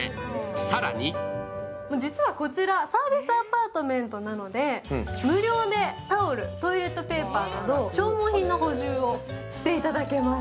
更に実はこちら、サービスアパートメントなので無料でタオル、トイレットペーパーなど消耗品の補充をしていただけます。